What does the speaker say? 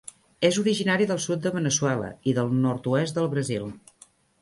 És originari del sud de Veneçuela i del nord-oest del Brasil.